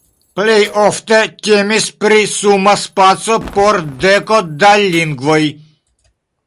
Plej ofte temis pri suma spaco por deko da lingvoj.